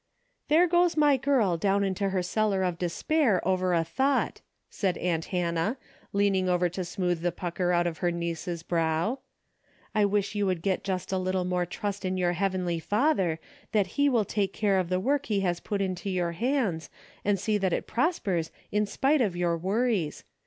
" There goes my girl down into her cellar of despair over a thought," said aunt Hannah, leaning over to smooth the pucker out of her niece's brow. " I wish you would get just a little more trust in your heavenly Father, that he will take care of the work he has put into your hands, and see that it prospers in spite of your worries.